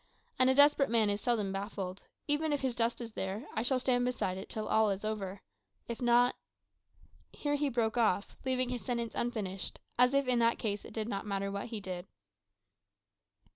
And a desperate man is seldom baffled. If even his dust is there, I shall stand beside it till all is over. If not " Here he broke off, leaving his sentence unfinished, as if in that case it did not matter what he did.